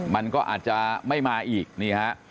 มันก็อาจจะไม่มาอีกนี่ฮะ